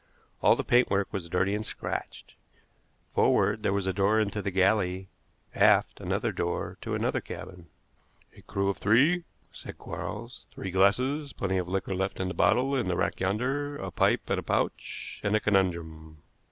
All the paint work was dirty and scratched. Forward, there was a door into the galley; aft, another door to another cabin. "A crew of three," said Quarles. "Three glasses, plenty of liquor left in the bottle in the rack yonder, a pipe and a pouch, and a conundrum."